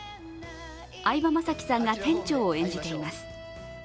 相葉雅紀さんが店長を演じています。